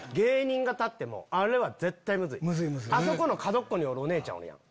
あそこの角っこにおるお姉ちゃんおるやん。